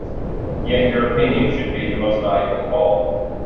Yet your opinion should be the most valuable of all.